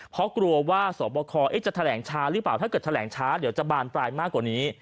เพราะกลัวว่าสวบคจะแถลงช้าหรือเปล่าถ้าเกิดแถลงช้าเดี๋ยวจะบานปลายมากกว่านี้